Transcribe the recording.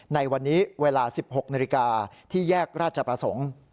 ในวันนี้เวลา๑๖นาฬิกาที่แยกราชประสงค์